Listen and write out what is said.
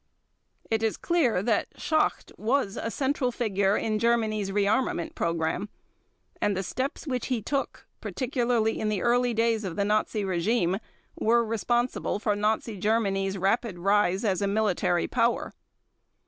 It is clear that Schacht was a central figure in Germany's rearmament program, and the steps which he took, particularly in the early days of the Nazi regime, were responsible for Nazi Germany's rapid rise as a military power.